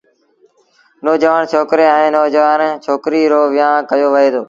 نوجوآڻ ڇوڪري ائيٚݩ ڇوڪريٚ رو ويهآݩ ڪيو وهي دو۔